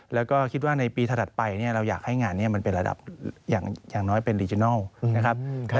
แล้วก็คิดว่าในปีถัดไปเราอยากให้งานนี้มันเป็นระดับอย่างน้อยเป็นดิจินัลนะครับ